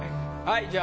はい。